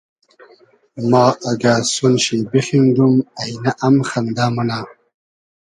ما اگۂ سون شی بیخیندوم اݷنۂ ام خئندۂ مونۂ